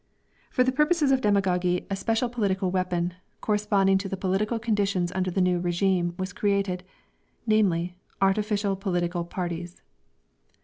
For the purposes of demagogy a special political weapon, corresponding to the political conditions under the new régime, was created, namely artificial political parties.